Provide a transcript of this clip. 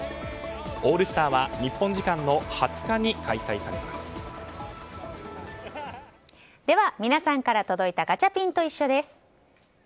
オールスターは日本時間のでは皆さんから届いたガチャピンといっしょ！です。